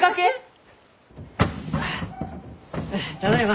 あただいま。